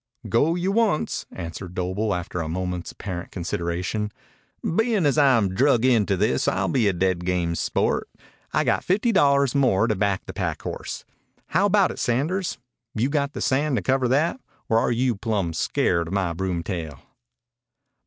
"Go you once," answered Doble after a moment's apparent consideration. "Bein' as I'm drug into this I'll be a dead game sport. I got fifty dollars more to back the pack horse. How about it, Sanders? You got the sand to cover that? Or are you plumb scared of my broomtail?"